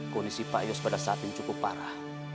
kondisi pak yos pada saat ini cukup parah